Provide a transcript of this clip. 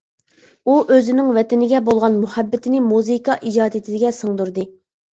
ئۇ ئۆزىنىڭ ۋەتىنىگە بولغان مۇھەببىتىنى مۇزىكا ئىجادىيىتىگە سىڭدۈردى.